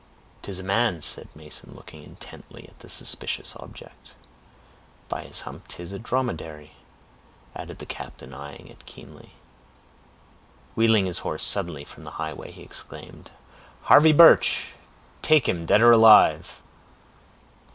"'Tis a man," said Mason, looking intently at the suspicious object. "By his hump 'tis a dromedary!" added the captain, eying it keenly. Wheeling his horse suddenly from the highway he exclaimed, "Harvey Birch!—take him, dead or alive!"